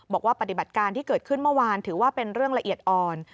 ปฏิบัติการที่เกิดขึ้นเมื่อวานถือว่าเป็นเรื่องละเอียดอ่อน